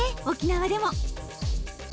沖縄でも！